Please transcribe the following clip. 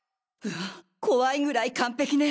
怖いぐらい完璧ね。